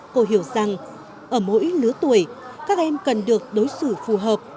cô hiểu rằng ở mỗi lứa tuổi các em cần được đối xử phù hợp